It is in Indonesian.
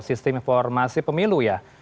sistem informasi pemilu ya